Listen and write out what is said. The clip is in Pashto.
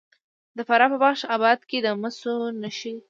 د فراه په بخش اباد کې د مسو نښې شته.